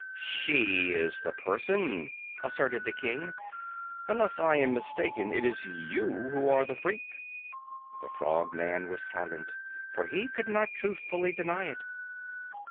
"She is the Person," asserted the King. "Unless I am mistaken, it is you who are the Freak." The Frogman was silent, for he could not truthfully deny it.